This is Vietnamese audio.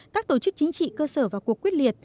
các tổ chức chính trị cơ sở vào cuộc quyết liệt